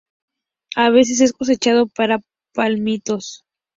A veces es cosechado para palmitos.